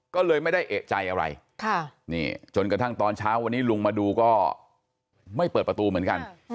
ก็เลยไม่ได้เอกใจอะไรจนกระทั่งตอนเช้าวันนี้ลุงมาดูก็ไม่เปิดประตูเหมือนกัน